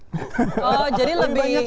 oh jadi lebih kristal